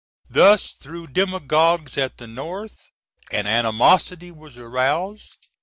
Thus, through demagogues at the North an animosity was aroused.